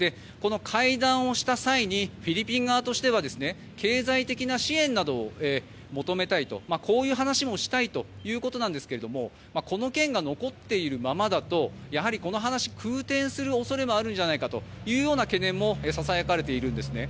会談をした際にフィリピン側としては経済的な支援などを求めたいという話もしたいということでこの件が残っているままだとやはり、この話が空転する恐れもあるという懸念もささやかれているんです。